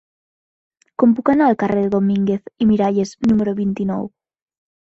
Com puc anar al carrer de Domínguez i Miralles número vint-i-nou?